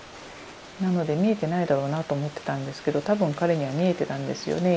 なので見えてないだろうなと思ってたんですけど多分彼には見えてたんですよね。